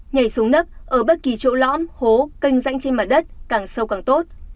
nhảy xuống nấp ở bất kỳ chỗ lõm hố canh rãnh trên mặt đất càng sâu càng tốt